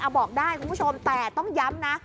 บอกได้คุณผู้ชมแต่ต้องย้ำนะ